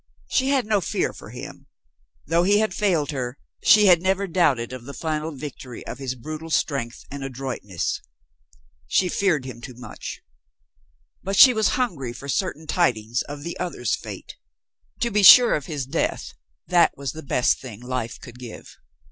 She had no fear for him. Though he failed her, she had never doubted of the final victory of his brutal strength and adroitness. She feared him too much. But she was hungry for certain tidings of the other's fate. To be sure of his death — that was the best thing life could give.